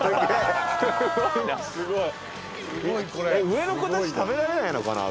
上の子たち食べられないのかな？